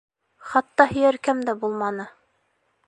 Хатта һөйәркәм дә булманы...